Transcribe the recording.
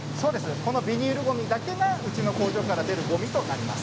このビニールごみだけがうちの工場から出るごみとなります。